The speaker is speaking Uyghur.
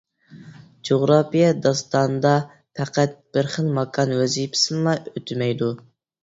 جۇغراپىيە داستاندا پەقەت بىر خىل ماكان ۋەزىپىسىنىلا ئۆتىمەيدۇ.